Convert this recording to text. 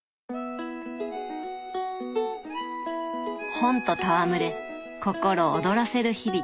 本と戯れ心躍らせる日々。